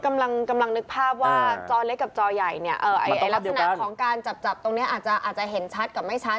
กำลังนึกภาพว่าจอเล็กกับจอใหญ่เนี่ยลักษณะของการจับตรงนี้อาจจะเห็นชัดกับไม่ชัด